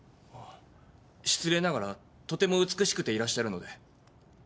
失礼ながらとても美しくていらっしゃるので。